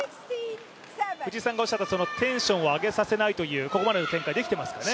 藤井さんがおっしゃった、テンションを上げさせないというここまでの展開、できていますかね